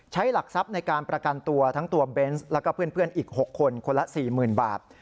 ใช้หลักทรัพย์ในการประกันตัวทั้งตัวเบนส์แล้วก็เพื่อนเพื่อนอีกหกคนคนละสี่หมื่นบาท